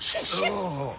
ああ。